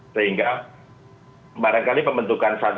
sehingga barangkali pembentukan satgasus